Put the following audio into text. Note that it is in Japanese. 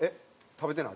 食べてない？